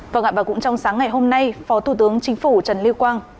vâng ạ và cũng trong sáng ngày hôm nay phó thủ tướng chính phủ trần lưu quang